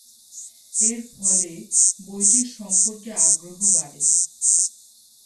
এর ফলে বইটির সম্পর্কে আগ্রহ বাড়ে।